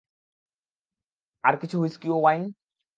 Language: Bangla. আর কিছু হুইস্কি ও ওয়াইন?